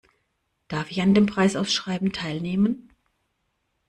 Darf ich an dem Preisausschreiben teilnehmen?